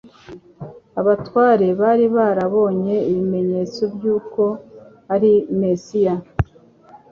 Abatware bari barabonye ibimenyetse by'uko ari Mesiya.